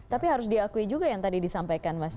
tapi harus diakui juga yang tadi disampaikan mas